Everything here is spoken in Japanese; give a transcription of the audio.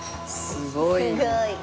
すごい。